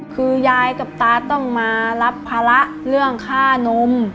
คือยายกับตาต้องมารับภาระเรื่องค่านม